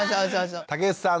武内さん